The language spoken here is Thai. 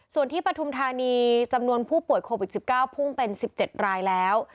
ส่วนที่ปฐุมธานีจำนวนผู้ป่วยโควิด๑๙พุ่งเป็น๑๗รายแล้ว